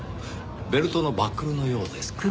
ベルトのバックルのようですが。